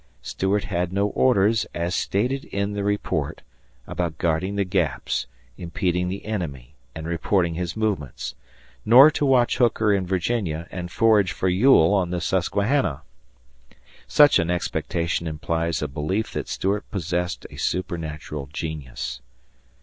Stuart had no orders, as stated in the report, about guarding the Gaps, impeding the enemy, and reporting his movements, nor to watch Hooker in Virginia and forage for Ewell on the Susquehanna. Such an expectation implies a belief that Stuart possessed a supernatural genius.